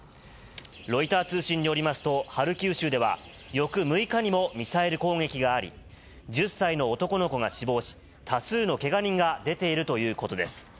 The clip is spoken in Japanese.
ロイター通信によりますと、ハルキウ州では、翌６日にもミサイル攻撃があり、１０歳の男の子が死亡し、多数のけが人が出ているということです。